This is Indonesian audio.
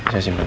saya simpan ya